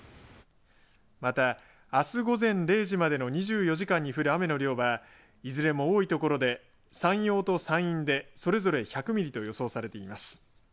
また、あす午前０時までの２４時間に降る雨の量はいずれも多い所で山陽と山陰でそれぞれ１００ミリと予想されています。